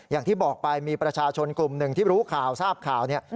อย่างที่บอกไปมีประชาชนกลุ่มหนึ่งที่รู้ข่าวทราบข่าวเนี่ย